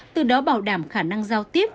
từ đó bảo đảm khả năng giao tiếp